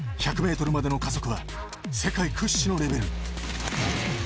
１００ｍまでの加速は世界屈指のレベル。